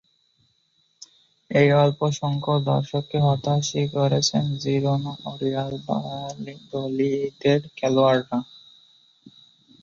এই অল্পসংখ্যক দর্শককে হতাশই করেছেন জিরোনা ও রিয়াল ভায়াদোলিদের খেলোয়াড়েরা।